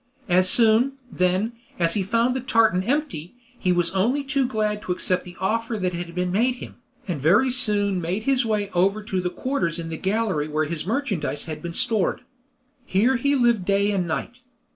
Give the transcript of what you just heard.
As soon, then, as he found the tartan empty, he was only too glad to accept the offer that had been made him, and very soon made his way over to the quarters in the gallery where his merchandise had been stored. Here he lived day and night.